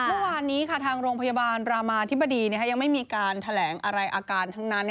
เมื่อวานนี้ทางโรงพยาบาลรามาธิบดียังไม่มีการแถลงอะไรอาการทั้งนั้น